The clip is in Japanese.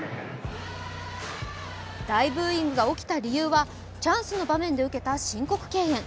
大ブーインクが起きた理由は、チャンスの場面で受けた申告敬遠。